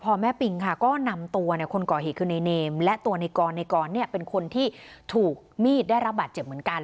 พอแม่ปิงค่ะก็นำตัวคนก่อเหตุคือในเนมและตัวในกรในกรเป็นคนที่ถูกมีดได้รับบาดเจ็บเหมือนกัน